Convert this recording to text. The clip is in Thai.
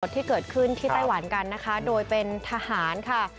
ที่เกิดขึ้นที่ไต้หวันกันนะคะโดยเป็นทหารค่ะ